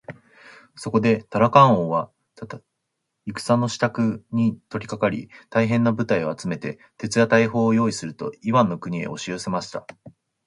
そこでタラカン王は戦のしたくに取りかかり、大へんな軍隊を集めて、銃や大砲をよういすると、イワンの国へおしよせました。